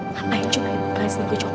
ngapain juga ibu ngasih gue coklat